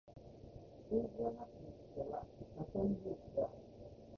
ルイジアナ州の州都はバトンルージュである